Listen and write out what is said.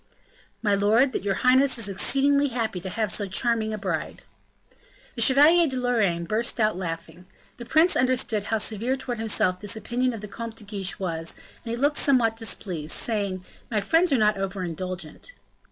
"My lord, that your highness is exceedingly happy to have so charming a bride." The Chevalier de Lorraine burst out laughing. The prince understood how severe towards himself this opinion of the Comte de Guiche was, and he looked somewhat displeased, saying, "My friends are not over indulgent."